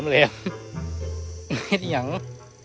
ไม่เห็นอย่างนั้น